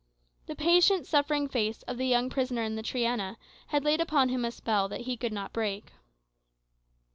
The patient suffering face of the young prisoner in the Triana had laid upon him a spell that he could not break.